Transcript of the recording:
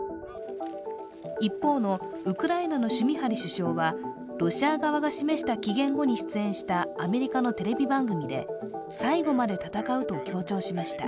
一方のウクライナのシュミハリ首相はロシア側が示した期限後に出演したアメリカのテレビ番組で最後まで戦うと強調しました。